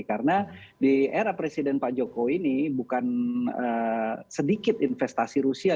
karena di era presiden pak joko ini bukan sedikit investasi rusia